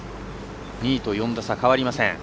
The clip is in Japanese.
２位と４打差、変わりません。